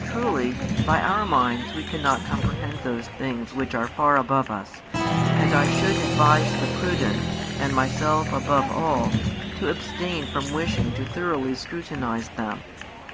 Truly, by our minds we cannot comprehend those things which are far above us, and I should advise the prudent, and myself above all, to abstain from wishing |14 to thoroughly scrutinize them.